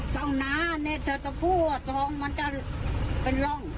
ต้องน้าเนี่ยถ้าจะพูดว่าทองมันจะเป็นร่อง